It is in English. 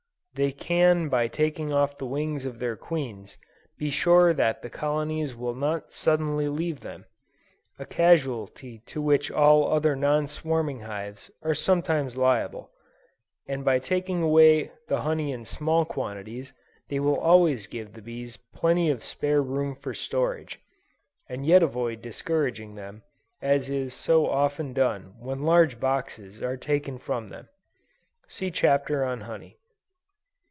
They can by taking off the wings of their queens, be sure that their colonies will not suddenly leave them; a casualty to which all other non swarming hives are sometimes liable; and by taking away the honey in small quantities, they will always give the bees plenty of spare room for storage, and yet avoid discouraging them, as is so often done when large boxes are taken from them. (See Chapter on Honey.)